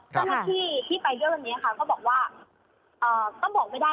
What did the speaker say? เจ้าหน้าที่ที่ไปด้วยวันนี้ค่ะก็บอกว่าก็บอกไม่ได้